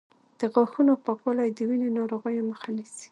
د غاښونو پاکوالی د وینې ناروغیو مخه نیسي.